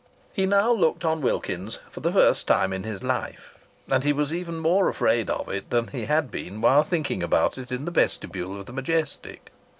He now looked on Wilkins's for the first time in his life, and he was even more afraid of it than he had been while thinking about it in the vestibule of the Majestic.